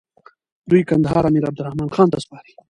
دوی کندهار امير عبدالرحمن خان ته سپاري.